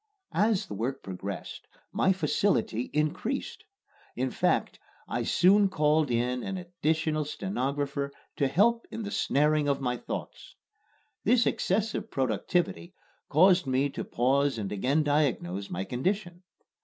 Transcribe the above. As the work progressed my facility increased. In fact, I soon called in an additional stenographer to help in the snaring of my thoughts. This excessive productivity caused me to pause and again diagnose my condition.